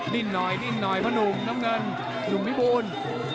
ดินหน่อยคุณหนุ่มน้ำเงินหนุ่มพิบูล